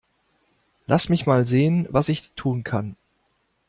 Lass mich mal sehen, was ich tun kann.